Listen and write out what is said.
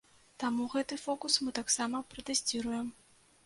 Таму гэты фокус мы таксама пратэсціруем.